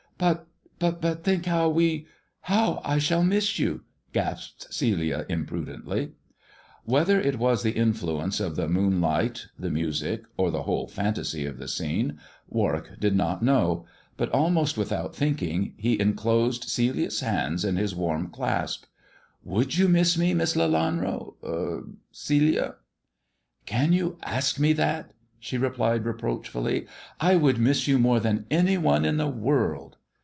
" But — but think how we — how I shall miss you," gasped Celia imprudently. THE dwarf's chamber 151 Whether it was the influence of the moonlighti the music, or the whole fantasy of the scene, Warwick did not know ; but almost without thinking, he enclosed Celiacs hands in his warm clasp. " Would you miss me, Miss Leianro — Celia 1 "" Can you ask me that 1 " she replied reproachfully. " I would miss you more than any one in the world."